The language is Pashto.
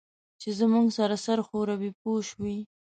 چې زموږ سره سر ښوروي پوه شوې!.